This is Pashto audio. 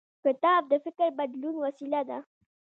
کتاب د فکر بدلون وسیله ده.